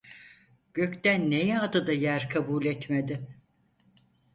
Gökten ne yağdı da yer kabul etmedi.